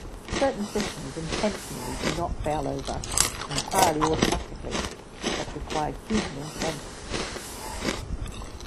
Certain systems, intentionally, do not failover entirely automatically, but require human intervention.